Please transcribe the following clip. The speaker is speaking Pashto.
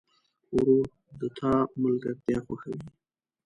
ورور د تا ملګرتیا خوښوي.